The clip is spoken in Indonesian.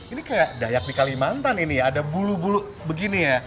ini kayak dayak di kalimantan ini ada bulu bulu begini ya